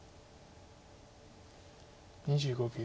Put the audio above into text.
２５秒。